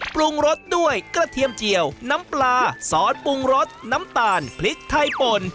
ปรุงรสด้วยกระเทียมเจียวน้ำปลาซอสปรุงรสน้ำตาลพริกไทยป่น